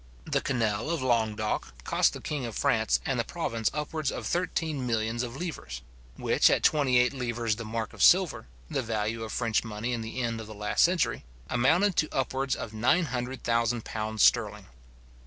The canal of Languedoc cost the king of France and the province upwards of thirteen millions of livres, which (at twenty eight livres the mark of silver, the value of French money in the end of the last century) amounted to upwards of nine hundred thousand pounds sterling.